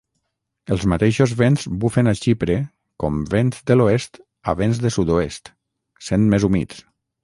Els mateixos vents bufen a Xipre com vents de l'oest a vents de sud-oest, sent més humits.